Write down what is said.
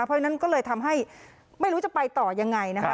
เพราะฉะนั้นก็เลยทำให้ไม่รู้จะไปต่อยังไงนะคะ